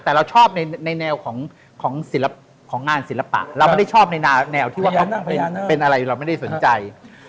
แต่เราชอบในแนวของงานศิลปะเราไม่ได้ชอบในแนวที่ว่าเขาเป็นอะไรเราไม่ได้สนใจ